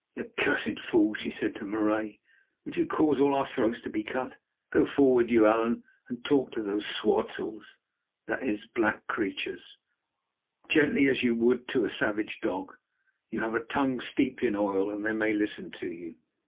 "Accursed fool!" she said to Marais, "would you cause all our throats to be cut? Go forward, you, Allan, and talk to those swartzels" (that is, black creatures), "gently, as you would to a savage dog. You have a tongue steeped in oil, and they may listen to you."